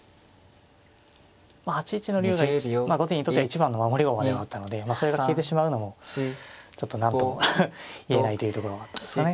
８一の竜が後手にとっては一番の守り駒ではあったのでそれが消えてしまうのもちょっと何とも言えないというところがあったんですかね。